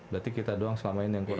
berarti kita doang selamain yang kurang